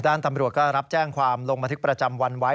ด้านตำรวจก็รับแจ้งความร่วงมาทิศประจำวันไว้